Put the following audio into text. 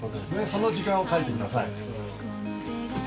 その時間を書いてください。